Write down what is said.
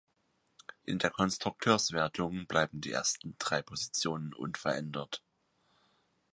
In der Konstrukteurswertung bleiben die ersten drei Positionen unverändert.